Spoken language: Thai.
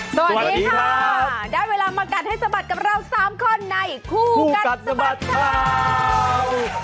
สวัสดีค่ะได้เวลามากัดให้สะบัดกับเรา๓คนในคู่กัดสะบัดข่าว